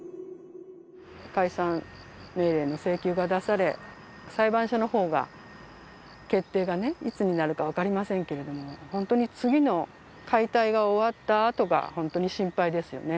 解散命令の請求が出され、裁判所のほうが、決定がね、いつになるか分かりませんけれども、本当に次の解体が終わったあとが、本当に心配ですよね。